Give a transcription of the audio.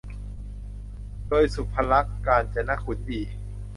โดย สุภลักษณ์ กาญจนขุนดี